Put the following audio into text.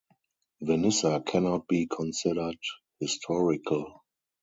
Venissa cannot be considered historical.